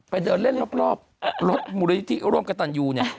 ไปเดินเล่นรอบรถมุริวิธีร่วมกับตันยู